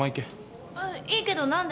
あっいいけど何で？